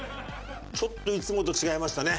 ちょっといつもと違いましたね。